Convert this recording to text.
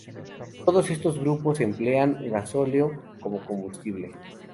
Todos estos grupos emplean gasóleo como combustible.